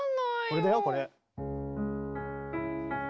これだよこれ。